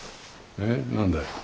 えっ何だい。